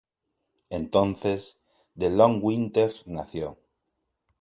Entonces, The Long Winters nació.